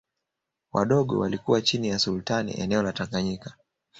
Wadogo walikuwa chini ya Sultani eneo la Tanganyika